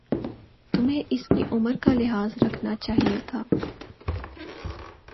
تمہیں اسکی عمر کا لحاظ رکھنا چاہیۓ تھا